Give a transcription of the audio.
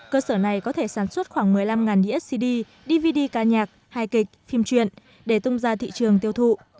cơ sở này có thể sản xuất khoảng một mươi năm đĩa cd dvd ca nhạc hai kịch phim truyện để tung ra thị trường tiêu thụ